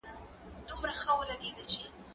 هغه څوک چي ليکنه کوي ښه زده کوي؟!